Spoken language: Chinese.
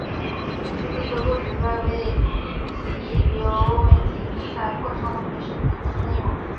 此次收购旨在为其流媒体平台扩充迪士尼自制内容。